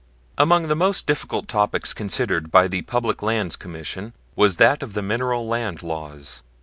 Among the most difficult topics considered by the Public Lands Commission was that of the mineral land laws.